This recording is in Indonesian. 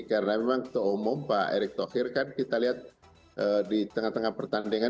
karena memang itu umum pak erik thokir kan kita lihat di tengah tengah pertandingan